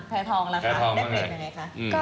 แพทองละค่ะได้เปรียบยังไงคะ